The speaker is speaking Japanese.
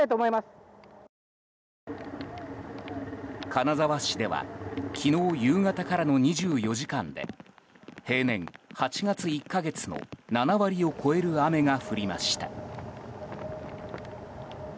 金沢市では昨日夕方からの２４時間で平年８月１か月の７割を超える雨が降りました。